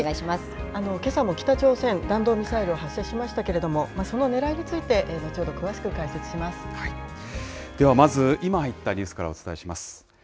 けさも北朝鮮、弾道ミサイルを発射しましたけれども、そのねらいについて、後ほど詳しく解説では、まず、今入ったニュースからお伝えします。